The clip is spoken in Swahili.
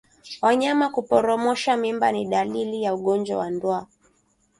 Wanyama kuporomosha mimba ni dalili ya ugonjwa wa ndwa